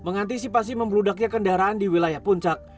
mengantisipasi membludaknya kendaraan di wilayah puncak